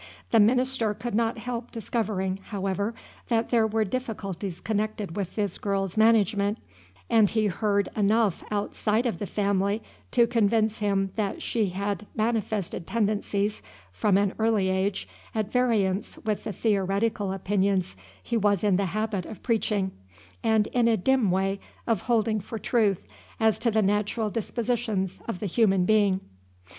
The minister could not help discovering, however, that there were difficulties connected with this girl's management, and he heard enough outside of the family to convince him that she had manifested tendencies, from an early age, at variance with the theoretical opinions he was in the habit of preaching, and in a dim way of holding for truth, as to the natural dispositions of the human being.